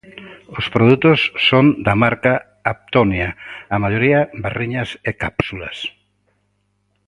Os produtos son da marca Aptonia, a maioría barriñas e cápsulas.